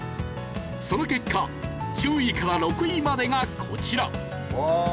その結果１０位から６位までがこちら。